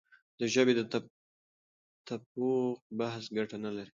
د ژبې د تفوق بحث ګټه نه لري.